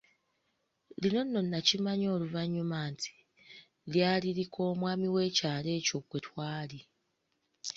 Lino nno nakimanya luvannyuma nti, lyali lik’omwami w’ekyalo ekyo kwe twali.